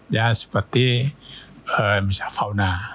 ya seperti misalnya fauna